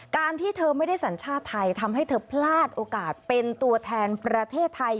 การที่เธอไม่ได้สัญชาติไทยทำให้เธอพลาดโอกาสเป็นตัวแทนประเทศไทย